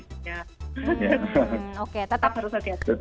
tetap harus hati hati